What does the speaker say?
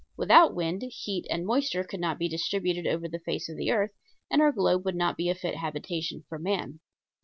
Without wind, heat and moisture could not be distributed over the face of the earth and our globe would not be a fit habitation for man.